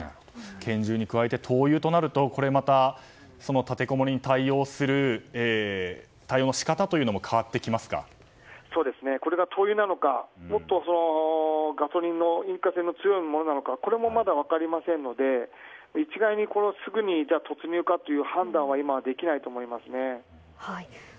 拳銃に加えて、灯油となるとこれまた立てこもりへの対応の仕方もこれが灯油なのかガソリンの引火性の強いものなのかこれもまだ分かりませんので一概にすぐにハァ幸せは日常の中で貯まってゆく。